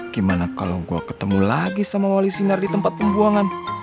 gimana kalau gue ketemu lagi sama wali sinar di tempat pembuangan